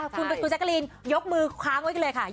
คุณผู้ชมแจ๊กกะลีนยกมือค้างไว้เลยค่ะ